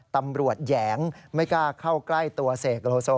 แหยงไม่กล้าเข้าใกล้ตัวเสกโลโซ